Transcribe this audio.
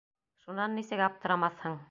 Шунан нисек аптырамаҫһың?!